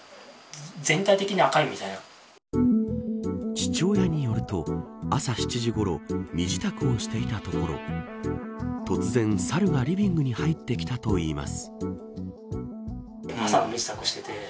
父親によると朝７時ごろ身支度をしていたところ突然、猿がリビングに入ってきたといいます。